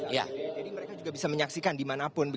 jadi mereka juga bisa menyaksikan dimanapun